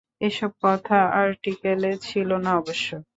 এসব কথা আর্টিকেলে ছিল না অবশ্য।